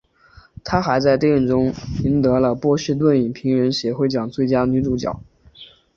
她还在电影中赢得了波士顿影评人协会奖最佳女主角。